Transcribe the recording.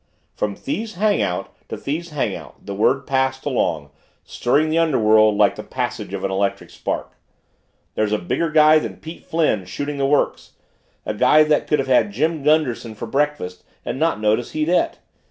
From thieves' hangout to thieves' hangout the word passed along stirring the underworld like the passage of an electric spark. "There's a bigger guy than Pete Flynn shooting the works, a guy that could have Jim Gunderson for breakfast and not notice he'd et."